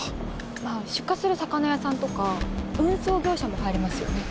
まぁ出荷する魚屋さんとか運送業者も入れますよね。